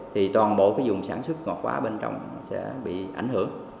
thì toàn bộ cái vùng sản xuất ngọt hóa bên trong sẽ bị ảnh hưởng